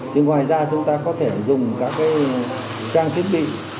nhưng ngoài ra chúng ta có thể dùng các trang thiết bị